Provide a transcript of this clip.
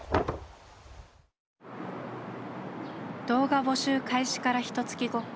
動画募集開始からひとつき後。